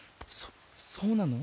そそうなの？